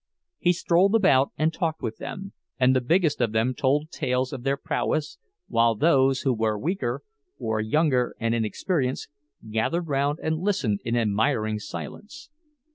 He strolled about and talked with them, and the biggest of them told tales of their prowess, while those who were weaker, or younger and inexperienced, gathered round and listened in admiring silence.